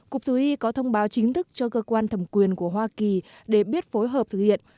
cục thú y có thông báo chính thức cho cơ quan thẩm quyền của hoa kỳ để biết phối hợp thực hiện